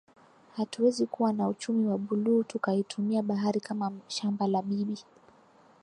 Hatuwezi kuwa na uchumi wa buluu tukaitumia bahari kama shamba la bibi